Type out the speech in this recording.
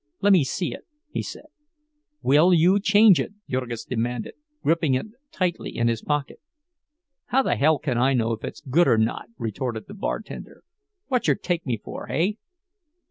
"Lemme see it," he said. "Will you change it?" Jurgis demanded, gripping it tightly in his pocket. "How the hell can I know if it's good or not?" retorted the bartender. "Whatcher take me for, hey?"